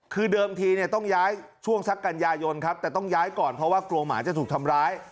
คือเดิมทีเนี่ยต้องย้ายช่วงสักกันยายนครับแต่ต้องย้ายก่อนเพราะว่ากลัวหมาจะถูกทำร้าย